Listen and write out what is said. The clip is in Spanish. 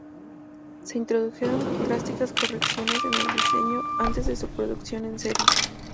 Se introdujeron drásticas correcciones en el diseño antes de su producción en serie.